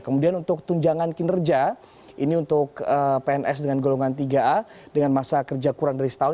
kemudian untuk tunjangan kinerja ini untuk pns dengan golongan tiga a dengan masa kerja kurang dari setahun